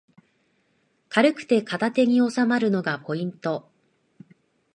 軽くて片手におさまるのがポイント